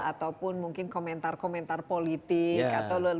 ataupun mungkin komentar komentar politik atau